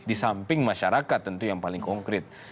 di samping masyarakat tentu yang paling konkret